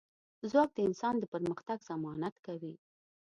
ځواک د انسان د پرمختګ ضمانت کوي.